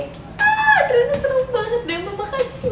makasih mama makasih